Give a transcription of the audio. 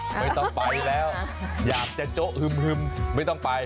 ไม่ต้องไปแล้วอยากจะโจ๊ะฮึมไม่ต้องไป